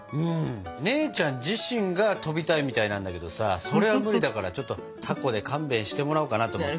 姉ちゃん自身が飛びたいみたいなんだけどさそれは無理だからちょっとたこで勘弁してもらおうかなと思って。